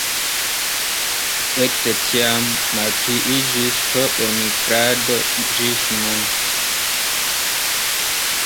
Ekde tiam malpliiĝis pro elmigrado ĝis nun.